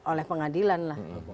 oleh pengadilan lah